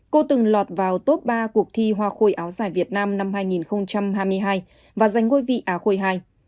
cô từng lọt vào top ba cuộc thi hoa khôi áo dài việt nam năm hai nghìn hai mươi hai và giành ngôi vị á khôi ii